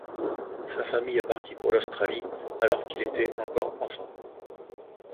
Sa famille partit pour l'Australie alors qu'il était encore enfant.